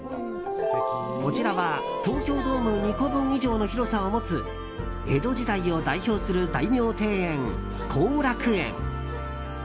こちらは東京ドーム２個分以上の広さを持つ江戸時代を代表する大名庭園後楽園。